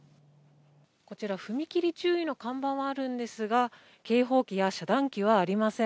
こちら、踏切注意の看板はあるんですが、警報機や遮断機はありません。